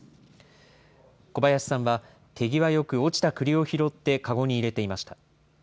小林さんは手際よく落ちたくりを拾って籠に入れていました。